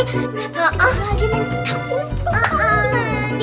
lagi main petak umpet